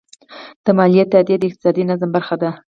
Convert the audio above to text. د مالیې تادیه د اقتصادي نظم برخه ده.